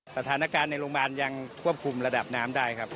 สถานการณ์ในโรงพยาบาลยังควบคุมระดับน้ำได้ครับ